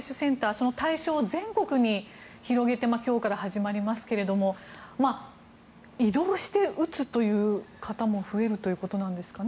その対象を全国に広げて今日から始まりますが移動して打つという方も増えるということなんですかね。